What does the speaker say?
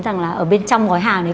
rằng là ở bên trong gói hàng này